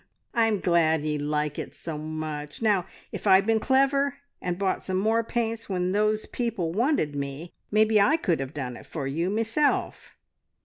I'm glad ye like it so much. Now if I'd been clever, and bought some more paints when those people wanted me, maybe I could have done it for you meself."